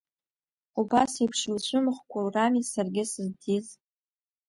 Убасеиԥш иуцәымӷқәоу рами саргьы сызҭиз!